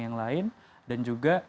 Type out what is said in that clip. yang lain dan juga